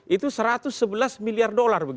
itu satu ratus sebelas miliar dolar